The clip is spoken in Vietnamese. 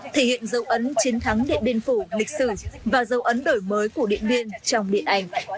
thể hiện dấu ấn chiến thắng điện biên phủ lịch sử và dấu ấn đổi mới của điện biên trong điện ảnh